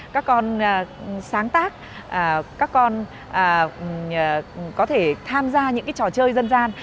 các con sáng tác các con có thể tham gia những cái trò chơi dân gian